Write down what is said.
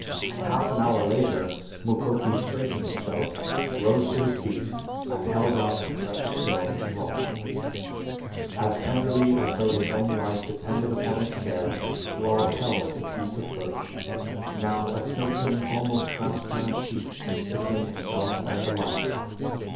Half an hour later Mukoki straightened himself, rose to his feet and held out the precious film to Rod. As tenderly as though his own life depended upon its care, Rod held the piece of birch, now a silken, almost transparent sheet, between himself and the light.